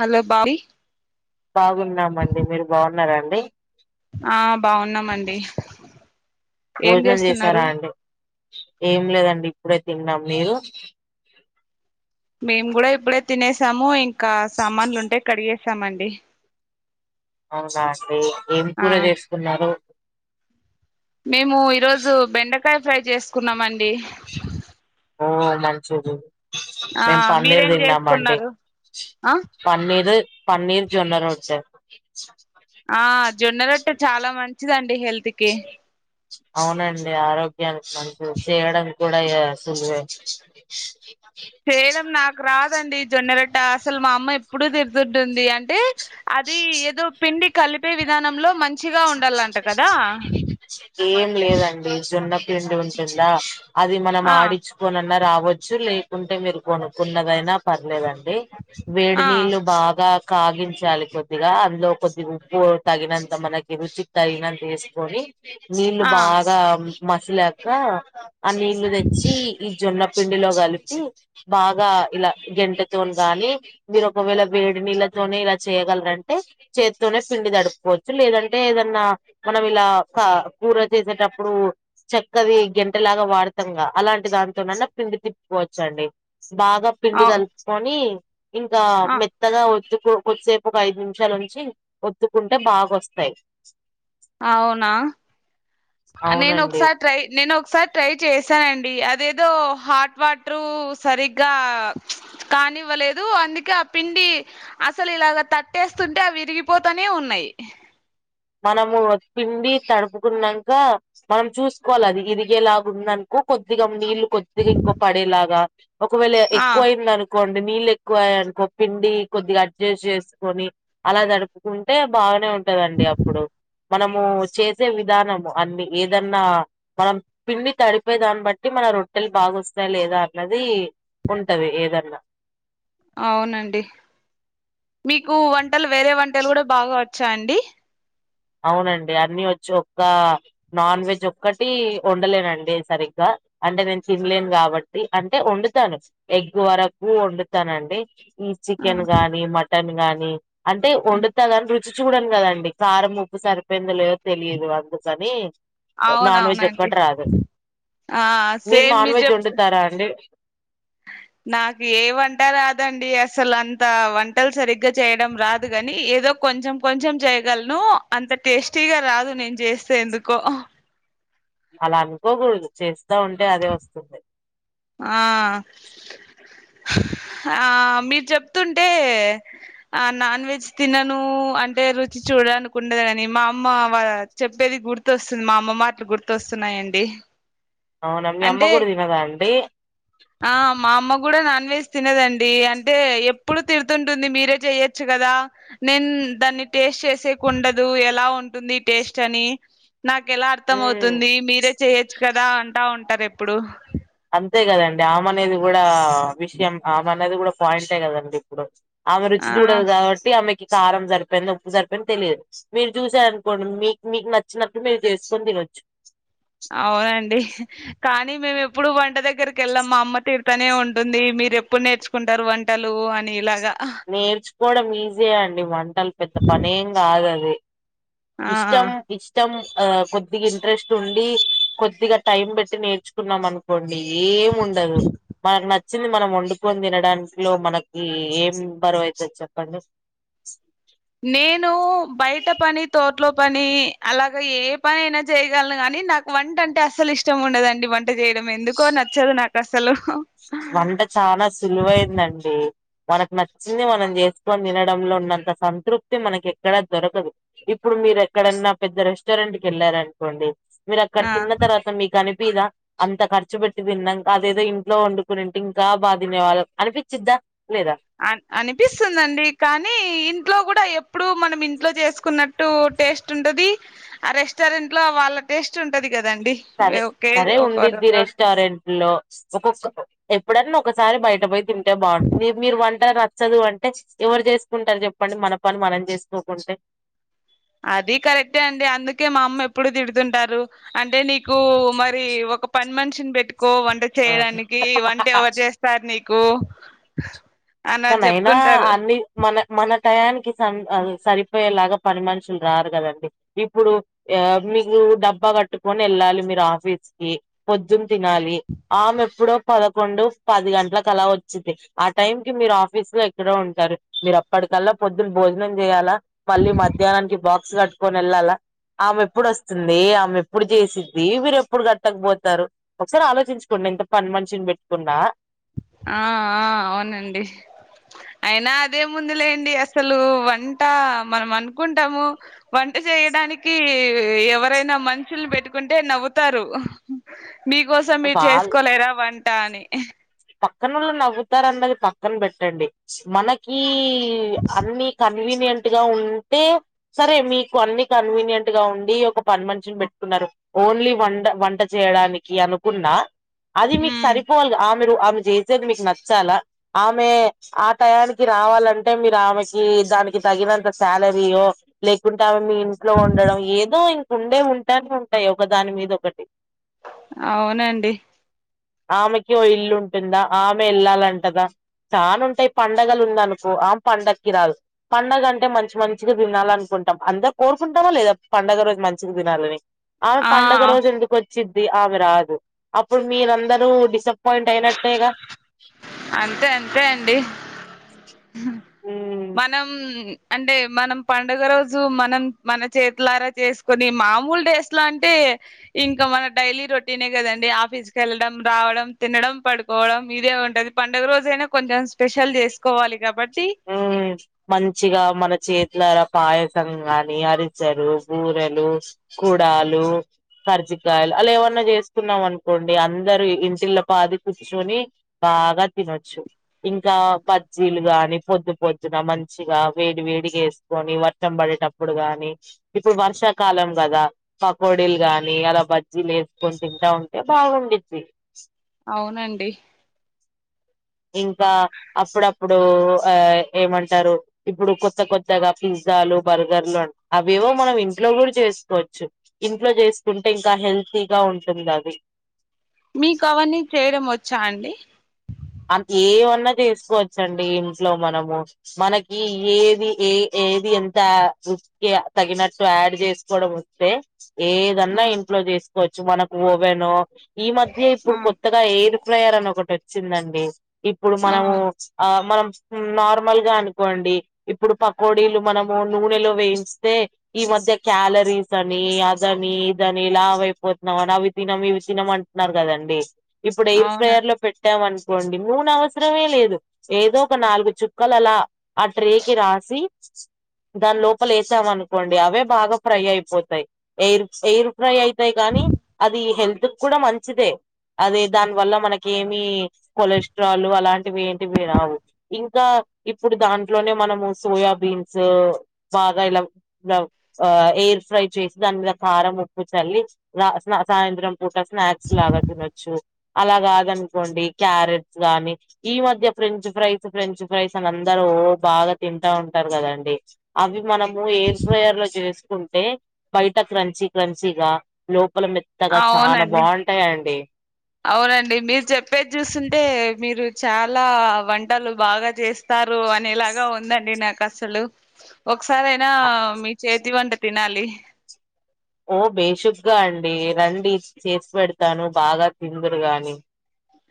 Hello bhabhi? బాగున్నామండి మీరు బావున్నరండి? ఆ బావున్నామండి. భోజనం చేసారా అండి ఏం లేదండి ఇప్పుడే తిన్నాం మీరు? మేము కూడా ఇప్పుడే తినేసాము. ఇంకా సామాన్లు ఉంటే కడిగేసామండి. అవునా అండి ఏం ఆ కూర చేసుకున్నారు? మేము ఈరోజు బెండకాయ ఫ్రై చేసుకున్నామండి. ఓ మంచిది ఆ మేము పన్నీరు మీరేం తిన్నామండి. చేసుకున్నారు ఆ పన్నీరు పన్నీర్ జొన్న రొట్టా ఆ జొన్నరట్టే చాలా మంచిదండి హెల్త్ కి చిది అవునండి ఆరోగ్యానికి మంచి చేయడం కూడా సులువే చేయడం నాకు రాదండి జొన్నరొట్టా అసలు మా అమ్మ ఎప్పుడూ తిడుతుంటుంది అన్ అంటే అదీ ఏదో పిండి కలిపే విధానంలో మంచిగా ఉండల్లంట కదా. ఏం లేదండి జొన్న పిండి ఉంటుందా అది మనం ఆ ఆడిచ్చు కోనన్నా రావచ్చు, లేకుంటే మీరు కొనుక్కున్నదైనా పర్లేదండి. ఆ వేడినీళ్లు బాగా కాగించాలి కొద్దిగా అందులో కొద్ది ఉప్పు తగినంత మనకి రుచికి తగినంత ఏసుకొని నీళ్లు ఆ బాగా మసిలాకా ఆ నీళ్లు తెచ్చీ ఈ జొన్న పిండిలో కలిపి బాగా ఇలా గెంటేతోన్ గానీ మీరు ఒకవేళ వేడినీల్ల తోనే ఇలా చేయగలరంటే చేత్తోనే పిండి తడుపుకోవచ్చు లేదంటే ఏదన్నా మనం ఇలా కా కూర చేసేటప్పుడూ చక్కదీ గెంటెలాగా వాడ్తంగా అలాంటి దాంతోనన్నా పిండి తిప్పుకోచ్చండి బాగా పిండి అవు గల్పుకోని ఇంకా ఆ మెత్తగా వొత్తు కో కొద్సేపు ఒక ఐదు నిమ్షాలు ఉంచి ఒత్తుకుంటే బాగొస్తయ్ అవునా అవునండి నేనొక్సారి ట్రై నేన్ ఒక్సారి ట్రై చేశానండి అదేదో హాట్ వాట్రూ సరిగ్గా కానీవ్వలేదు అందుకే ఆ పిండి అసలు ఇలాగ తట్టేస్తుంటే అవి ఇరిగిపోతానే ఉన్నయ్ మనమూ పిండీ తడుపుకున్నంకా మనం చూస్కోల్ల అది ఇరిగేలాగుందన్ కు కొద్దిగం నీళ్లు కొద్దిగా ఇంకో పడేలాగా ఒకవేళ ఆ ఎక్కువ అయింది అనుకో కొన్ని నీళ్ళు ఎక్వ ఆయయికో పిండీ కొద్దిగా అడ్జస్ట్ జెస్కొని అలా దడుప్కుంటే బాగానే ఉంటదండి అప్ మనమూ చేసే విధానము అన్ని ఏదన్నా మనం పిండి తడిపే దాన్ని బట్టి మన రొట్టెలు బాగొస్తాయ లేదా అన్నదీ ఉంటది ఏదన్న అవునండి, మీకూ వంటలు వేరే వంటలు గూడ బాగా వోచ్చా అండి అవునండి అన్నీ వోచ్చు ఒక్కా నాన్ వెజ్ ఒక్కటీ ఒండలేనండి నేన్ సరిగ్గా అంటే నేన్ తిన్లేను గాబట్టి అంటె ఒండుతాను ఎగ్ వరకు ఒండుతానండి. ఈ ఆ చికెన్ గానీ మటన్ గానీ అంటే హ్మ్. ఒండుతా గానీ రుచి చూడన్ గదండి కారం ఉప్ ఉప్పుసరిపోయిందొ లేదో తెలీదు అందుకనీ నాన్ వెజ్ అవునవునండి ఒకట్ రాదు ఆ మీరు సేమ్ నాన్ వెజ్ చెప్ ఒండుతారా అండి నాకు ఏ వంట రాదండీ అసలు అంతా వంటల్ సరిగ్గా చేయిడం రాదు గాని ఏదో కొంచెం కొంచెం చేయగల్నూ అంత టేస్టీగా రాదు నేన్ చేస్తే ఎందుకో అలా అన్కోకూడ్దు చేస్తా ఉంటే అదే వస్తుంది ఆ ఆ మీరు చెప్తుంటే ఆ నాన్ వెజ్ తిననూ అంటే రుచి చూడదనుకుండదాని మా అమ్మ వా చెప్పేది గుర్తొస్సుంది మా అమ్మ మాట్లు గుర్తోస్సున్నాయండి. అవునా మీ అమ్మ గూడా తినదా అండీ [inaudible] ఆ మా అమ్మ గూడా నాన్ వెజ్ తినదండీ అంటే ఎప్పుడూ తిడ్తుంటుంది మీరే జెయ్యాచ్చు గదా నెన్ దాన్ని టేస్ట్ చేసేకుండదూ ఎలా ఉంటుంది టేస్ట్ అనీ నాకెలా అర్థం హ్మ్. అవుతుంది మీరే చెయొచ్చు కదా అంటా ఉంటరు ఎప్పుడూ అంతే గదండి ఆమె అనేది గూడా విష్యం ఆమె అనేది గూడా పాయింటే గదండి ఇప్పుడు ఆమె రుచి ఆ జుడదు గాబట్టి ఆమెకి కారం జర్ పెందో ఉప్పు సర్పెందో తెలియద్ మీరు జుషార్ అన్కోండి మీక్ మీక్ నచ్చినట్డు మీరు జేస్కొని తినొచ్చు అవునండి కానీ మేము ఎప్పుడూ వంట దెగ్గరికెళ్లం మా అమ్మ తిడ్ తనే ఉంటుంది మీరు ఎప్పుడు నేర్చుకుంటారు వంన్ టలు అనిల్ నేర్చుకోడం ఈజీయ్ అండి వంటలు పెద్ద పనేం గాదు అది ఆ ఇష్టం ఇష్టం ఆ కొద్దిగా ఇంట్రెస్ట్ ఉండి, కొద్దిగా టైం బెట్టి నేర్చుకున్నాం అన్ కోండి ఏం ఉండదు మనకు నచ్చింది మనం ఒండుకొని తినడాంట్లో మనక్ ఇ ఏం బరువైతద్ చెప్పండి నేనూ బైట పని తోట్లొ పనీ అలాగ ఏ పని అయినా చేయ్గల్ను గాని నాక్ వంట అంటే అస్సల్ ఇష్టం ఉండదండి వంట జేయ్డం ఎందుకో నచ్చదు నాకు అస్సలు వంట చాలా సులువేందండి మనకు నచ్చింది మనం చేసుకొని తినడంలో ఉన్నంత సంతృప్తి మనకి ఎక్కడా దొరకదు ఇప్పుడు మీరు ఎక్కడన్నా పెద్ద రెస్టారెంట్ కి వెళ్ళారనుకోండి మీరు అక్కడ ఆ తిన్న తర్వాత మీకని పిద అంత ఖర్చు పెట్టి తిన్నంక అదేదో ఇంట్లో వండు పునింటే ఇంకా బా తినేవాళ్ళు అనిపించిద్దా లేదా అ అనిపిస్తుందండి కానీ ఇంట్లో కూడా ఎప్పుడు మనం ఇంట్లో చేసుకున్న టు టేస్ట్ ఉంటది ఆ రెస్టారెంట్ లో వాళ్ళ టేస్ట్ ఉంటది కదండి సరే ఒకే సరే ఒక ఉందిది రక రెస్టారెంట్లో ఒక్కొక్క ఎప్పుడన్నా ఒకసారి బయట పోయి తింటే బాగుంటుంది మీ మీరు వంట నచ్చదు అంటే ఎవరు చేసుకుంటారు చెప్పండి మన పని మనం చేసుకోకుంటే అదీ కరెక్టే అండి అందుకే మా అమ్మ ఎప్పుడూ తిడుతుంటారు అంటే నీకూ మరీ ఒక పని మనిషిని పెట్టుకో వంట ఆ చేయడానికి వంటేవరు చేస్తారు నీకు అని ఆళ్ళు చిక్కనయినా చెప్తుంటారు అన్ని మన మన టయానికి సన్ సరిపోయేలాగా పని మనుషులు రారు కదండి ఇప్పుడు యా మీకు డబ్బా కట్టుకొని వెళ్ళాలి మీరు ఆఫీస్ కి పొద్దున్ తినాలి ఆమె ఎప్పుడో పదకొండు పది గంట్ల అలా వచ్చింది టైం కి మీరు ఆఫీస్ లో ఎక్కడో ఉంటారు మీరు అప్పటికల్లా పొద్దున భోజనం చేయ్యాలా మళ్ళీ మధ్యాహ్నానికి బాక్స్ కట్టుకొని ఎళ్ళాలా ఆమె ఎప్పుడు వస్తుంది ఆమె ఎప్పుడు చేసింది మీరు ఎప్పుడు కట్టకపోతారు ఒసారి ఆలోచించుకోండి ఎంత పని మనిషిని పెట్టుకున్నా ఆ ఆ అవునండి అయినా అదే ముందిలేండి అసలు వంట మనం అనుకుంటాము వంట చేయడాని కి ఎవరైనా మనుషులు పెట్టుకుంటే నవ్వుతారు హు మీకోసం మీర్ వాళ్ళ చేసుకోలేరా వంట అని పక్కనోళు నవ్వుతారన్నది పక్కన పెట్టండి మనకీ డి అన్ని కన్వీనియెంట్ గా ఉంటే సరే మీకు అన్ని కన్వీనియంట్ గా ఉండి ఒక పని మషని పెట్టుకున్నారు ఓన్లీ వండ వంట చేయడానికి అనుకున్నా అది మీకు హ్మ్. సరిపోల్ గ అప్ మీరు ఆమె చేసేది మీకు నచ్చాలా ఆమె ఆ టయానికి రావాలంటే మీరు ఆమెకి దానికి తగినంత శాలరీయో లేకుంటే అవి మీ ఇంట్లో ఉండడం ఏదో ఇంకుండే ఉంటానే ఉంటాయి ఒక దాని మీద ఒకటి అవునండి ఆమెకి ఓ ఇల్లున్టుందా ఆమె ఇళ్లాలంటదా తాను ఉంటాయ్ పండగలు ఉంద అనుకో ఆ పండకి రాదు పండుగ అంటే మంచి మంచిగా తినాల అనుకుంటాం అందరు కోరుకుంటారా లేదా పండుగ రోజు మంచిగా తినాలని ఆమె ఆ పండుగ రోజు ఎందుకు వచ్చిది ఆమె రాదు అప్పుడు మీరందరూ డిస పోయింట్ అయినటె గా అంతే అంతే అండి [inaudible] మనం అంటే మనం పండుగ రోజు మనం మన చేతులారా చేసుకోని మామూల్ డేస్లా అంటే ఇంకా మన డైలీ రొటీనే కదండి ఆఫీస్కిల్డం రావడం తినడం పడుకోవడం మీరేమంటది పండుగ రోజయినా కొంచెం స్పెషల్ చేసుకోవాలి కాబట్టి మ్మ్ మంచిగా మన చేతులరా పాయసం గానీ అరిచెరు భూరెలు కూడాలు కరిజికయలు అలా ఏమన్నా చేస్తున్నాం అనుకోండి అందరు ఇంటిల పాది కుర్చొని బాగా తినొచ్చు ఇంకా పజ్జీలు గాని పొద్దు పొద్దున మంచిగా వేడి వేడిగా వేసుకని వర్షంపడేటప్పుడు గాని ఇప్పుడు వర్షాకాలం కదా పకోడీలు గాని అలా బజ్జీలు వేసుకొని తింటా ఉంటే బాగుంటుంది. అవునండి ఇంకా అప్పుడప్పుడు ఆ ఏమంటారు? ఇప్పుడు కొత్త కొత్తగా పిజ్జాలు బర్గర్లు అవేవో మనం ఇంట్లో కూడా చేసుకోవచ్చు ఇంట్లో చేసుకుంటే ఇంకా హెల్తీగా ఉంటుంది అది మీకు అవన్నీ చేయడం వచ్చా అండి ఆది ఏమన్నా చేసుకోవచ్చండి ఇంట్లో మనము మనకి ఏది ఏ ఏది ఎంత? ఇగ తగినట్టు యాడ్ చేసుకోవడం వస్తే ఆ ఏదన్నా ఇంట్లో చేసుకోవచ్చు మనకు ఓవేనో ఈ మధ్య ఆ ఇప్పుడు కొత్త ఎయిర్ ఫ్రయర్ అని ఒకటి వచ్చిందండి ఇప్పుడు ఆ మనము ఆ మనం నార్మల్గా అనుకోండి ఇప్పుడు పకోడీలు మనము నూనెలో వేయిస్తే ఈ మధ్య క్యాలరీస్ అని అదని ఇదని లావ అయిపోతున్నాం అని అవి తినం ఇవి తినమంట ఆన్నారు కదండి ఇప్పుడు ఎయిర్ అవునా ఫ్రైయర్ లో పెట్టామంట కోండి మూన అవసరమే లేదు ఏదో ఒక నాలుగు చుక్కలలా ఆ ట్రే కి రాసి దాని లోపలే ఏద్ధం అనుకోండి అవే బాగా ఫ్రై అయిపోతాయి ఎయిర్ ఎయిరు ఫ్రై అయితాయి కానీ అది హెల్త్ కూడా మంచిదే అదే దాని వల్ల మనకి ఏమి కొలెస్ట్రాల్ అలాంటివి ఏంటివి రావు ఇంకా ఇప్పుడు దాంట్లోనే మనము సోయాబీన్స్ బాగా ఇలా ఆ ఎయిర్ ఫ్రై చేసి దాని మీద కారం ఉప్పు చల్లి స్నా సాయంత్రం పూట స్నాక్స్ లాగా తినొచ్చు అలా కాదనుకోండి క్యారెట్స్ గాని ఈ మధ్య ఫ్రెంచ్ ఫ్రైస్ ఫ్రెంచ్ ఫ్రైస్ అని అందరూ బాగా తింటా ఉంటారు కదండి అవి మనము ఎర్ ఫయర్ లో చేసుకుంటే బయట క్రంచి క్రంచిగా లోపల మేత్ అవునండి అవునండి మీరు చెప్పేది చూస్తుంటే మీరు చాలా వంటలు బాగా చేస్త వస్తారు అనిలాగా ఉందండి నాకు అసలు ఒకసారియినా మీ చేతి వంట తినాలి ఓ బేషుగ్గా అండి రండి, చేసి పెడతాను బాగా తిందరుగాని.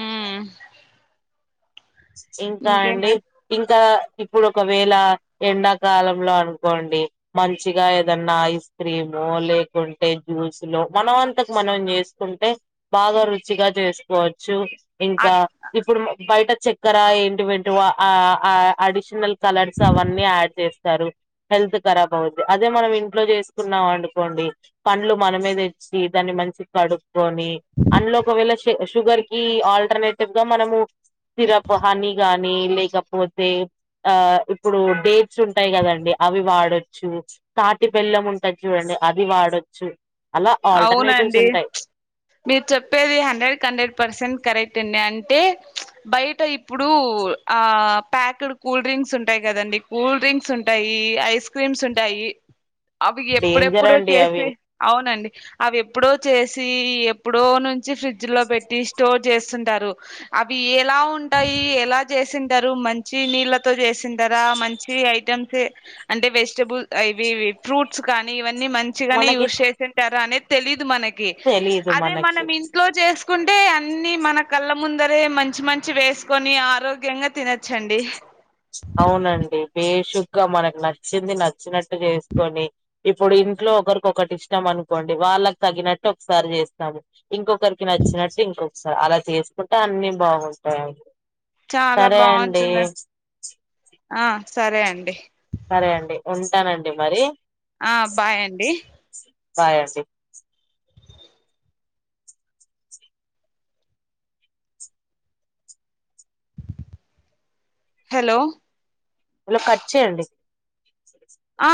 మ్మ్ ఇంకా ఇంకేమ అండి ఇంకా ఇప్పుడు ఒకవేళ ఎండాకాలంలో అనుకోండి మంచిగా ఏదన్నా ఐస్ క్రీము లేకుంటే జ్యూస్ లో మనం అంతకు మనం చేస్ కుంటే బాగా రుచిగా చేసుకోవచ్చు ఇంకా అత్ ఇప్పుడు బయట చె అక్కర ఏంటివంటి ఆ అడిషనల్ కలర్స్ అవన్నీ యాడ్ చేస్తారు హెల్త్ కరాబ్ అవుద్ది అదే మనం ఇంట్లో చేసుకున్నాం అండుకోండి పండ్లు మన మీద ఇచ్చి దాన్ని మంచి కడుక్కొని అందులో ఒకవేళ షుగర్ కి ఆల్టర్నేటివ్ గా మనము సిరప్ హనీ గానీ లేకపోతే ఆ ఇప్పుడు డేట్స్ ఉంటాయి కదండి అవి వాడొచ్చు తాటి పెల్లం ఉంటది చూడండి అది వాడొచ్చు అలా ఆల్టర్నేటివ్స్ అవునండి ఉంటాయి ప్చ్ మీరు చెప్పేది హండ్రెడ్ కి హండ్రెడ్ పర్సెంట్ కరెక్ట్ అండి అంటే ప్చ్ బయట ఇప్పుడు ఆ ప్యాక్డ్ కూల్ డ్రింక్స్ ఉంటాయి కదండి కూల్ డ్రింక్స్ ఉంట్ ఉంటాయి ఐస్ క్రీమ్స్ ఉంటాయి అవి డేంజర్ ఎప్పుడెప్పుడు అండి అవి చేసి అవునండి అవి ఎప్పుడో చేసి ఎప్పుడో నుంచి ఫ్రిడ్జ్ లో పెట్టి స్టోర్ చేస్తుంటారు అవి ఎలా ఉంటాయి ఎలా చేసింటారు మంచి నీళ్ళతో చేసిం తర మంచి ఐటెమ్సే అంటే వెజిటబుల్ ఇవి ఫ్రూట్స్ కానీ ఇవన్నీ మంచిగానే మనకి యూస్ చేసింటార అనే తెలీదు మనకి తెలీదు అదే మనకి మనం ఇంట్లో చేసుకుంటే అన్ని మన కళ్ళ ముందరే మంచి మంచి వేసుకొని ఆరోగ్యంగా తిన చ్చండి అవునండి బేషుగ్గా మనకు నచ్చింది నచ్చినట్టు చేస్కొని ఇప్పుడు ఇంట్లో ఒకరికొకటి ఇష్టం అనుకోండి వాళ్ళకి తగినట్టు ఒకసారి చేస్ ఇంకొకరికి నచ్చినట్టు ఇంకొకసారి అలా చేసుకుంటే అన్ని బాగుంటాయండి చాలా సరే బాగుంటుంది అండి ఆ సరే అండి సరే అండి ఉంటానండి మరి ఆ బాయ్ అండి బాయ్ అండి హలో ఇలా కట్ చేయండి